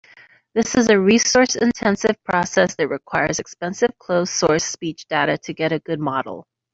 This is a resource-intensive process that requires expensive closed-source speech data to get a good model.